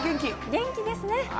元気ですね。